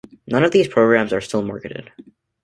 None of these programs are still marketed.